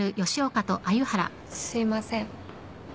すいません。